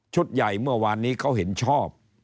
ใหญ่เมื่อวานนี้เขาเห็นชอบ